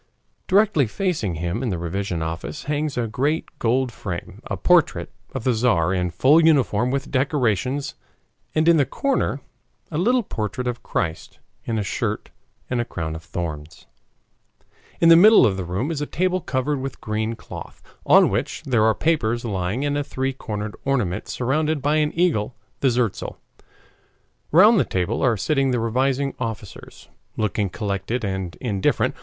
Directly facing him in the revision office hangs in a great gold frame a portrait of the Tzar in full uniform with decorations, and in the corner a little portrait of Christ in a shirt and a crown of thorns. In the middle of the room is a table covered with green cloth, on which there are papers lying and a three cornered ornament surmounted by an eagle the zertzal. Round the table are sitting the revising officers, looking collected and indifferent.